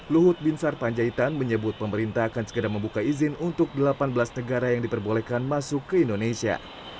luhut binsar panjaitan menyebut pemerintah akan segera membuka izin untuk delapan belas negara yang diperbolehkan masuk ke indonesia